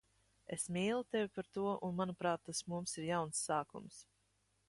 Es mīlu tevi par to un, manuprāt, tas mums ir jauns sākums.